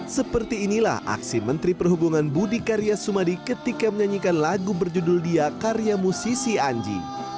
seperti inilah aksi menteri perhubungan budi karya sumadi ketika menyanyikan lagu berjudul dia karya musisi anji